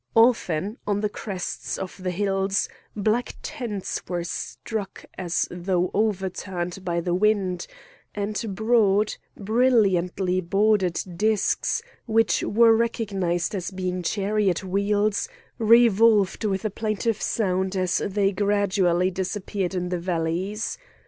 Often, on the crests of the hills, black tents were struck as though overturned by the wind, and broad, brilliantly bordered discs, which were recognised as being chariot wheels, revolved with a plaintive sound as they gradually disappeared in the valleys.